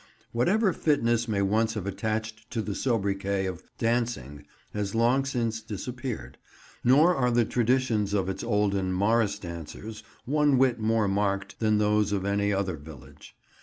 Whatever fitness may once have attached to the sobriquet of "Dancing" has long since disappeared, nor are the traditions of its olden morris dancers one whit more marked than those of any other village.